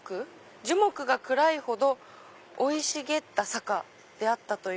「樹木が暗いほどおい茂った坂であったという。